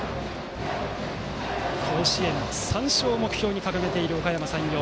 甲子園３勝を目標に掲げているおかやま山陽。